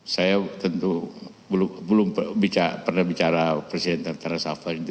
saya tentu belum pernah bicara presiden terkara resafel itu